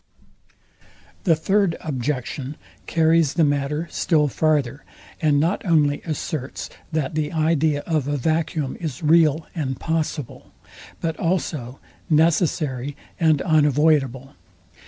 The third objection carries the matter still farther, and not only asserts, that the idea of a vacuum is real and possible, but also necessary and unavoidable.